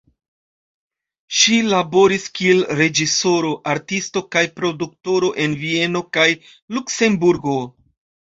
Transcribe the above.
Ŝi laboris kiel reĝisoro, artisto kaj produktoro en Vieno kaj Luksemburgo.